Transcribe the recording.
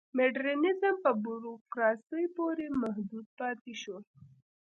مډرنیزم په بوروکراسۍ پورې محدود پاتې شو.